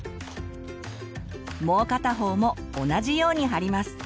もう片方も同じように貼ります。